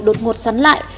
đột ngột xoắn lại